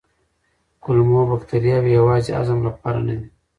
کولمو بکتریاوې یوازې هضم لپاره نه دي.